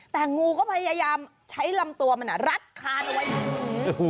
แต่งูก็พยายามใช้ลำตัวมันลัดคานไว้อยู่